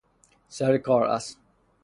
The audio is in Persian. سر کار است.